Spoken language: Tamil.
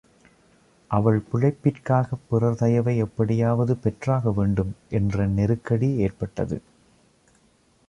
அவள் பிழைப்பிற்காக பிறர் தயவை எப்படியாவது பெற்றாக வேண்டும் என்ற நெருக்கடி ஏற்பட்டது.